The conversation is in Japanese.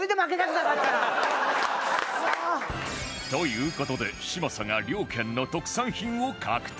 という事で嶋佐が両県の特産品を獲得